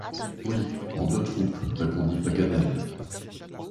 Oui, en deux troupes, répondit Paganel.